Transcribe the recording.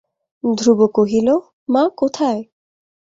ধ্রুব কহিল, মা কোথায়?